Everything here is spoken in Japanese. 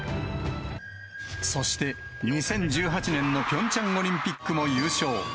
そして２０１８年のピョンチャンオリンピックも優勝。